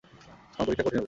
আমার পরীক্ষা কঠিন হল।